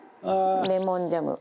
レモンジャム。